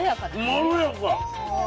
まろやか。